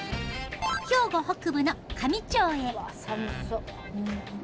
兵庫北部の香美町へ。